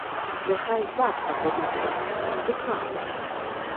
— Нехай завтра повідаю. Втікаймо.